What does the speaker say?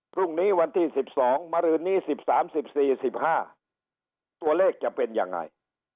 พรุ่งนี้วันที่๑๒มารืนนี้๑๓๑๔๑๕ตัวเลขจะเป็นยังไง